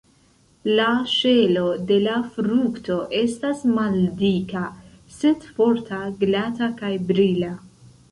La ŝelo de la frukto estas maldika, sed forta, glata kaj brila.